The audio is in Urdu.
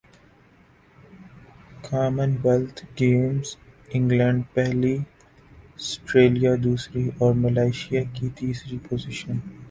کامن ویلتھ گیمز انگلینڈ پہلی سٹریلیا دوسری اور ملائشیا کی تیسری پوزیشن